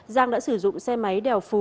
giang đã sử dụng xe máy đèo phú